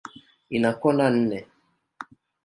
Ina kona nne.